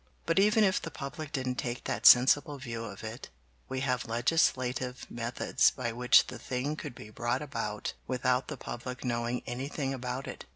"But even if the public didn't take that sensible view of it, we have legislative methods by which the thing could be brought about without the public knowing anything about it.